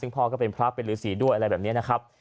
ซึ่งพ่อก็เป็นพระเป็นฤษีด้วยอะไรแบบนี้นะครับ